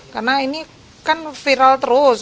karena ini kan viral terus